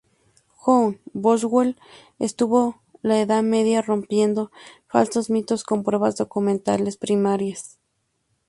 John Boswell estudió la edad media rompiendo falsos mitos con pruebas documentales primarias.